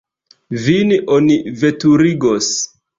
Vin oni veturigos.